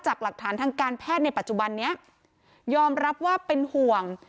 หลักฐานทางการแพทย์ในปัจจุบันนี้ยอมรับว่าเป็นห่วง